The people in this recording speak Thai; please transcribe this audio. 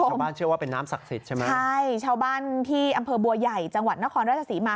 ชาวบ้านเชื่อว่าเป็นน้ำศักดิ์สิทธิ์ใช่ไหมใช่ชาวบ้านที่อำเภอบัวใหญ่จังหวัดนครราชศรีมา